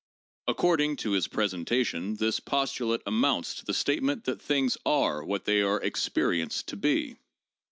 According to his presentation this postu late amounts to the statement that things are what they are ex perienced to be.